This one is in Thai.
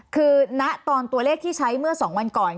คือณตอนตัวเลขที่ใช้เมื่อ๒วันก่อน